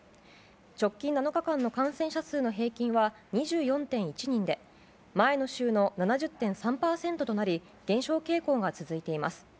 直近７日間の感染者数の平均は２４．１人で前の週の７０．３％となり減少傾向が続いています。